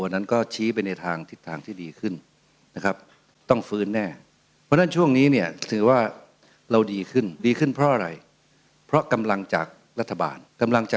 ในช่วงระยะสั้น